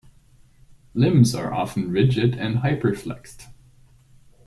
Limbs are often rigid and hyperflexed.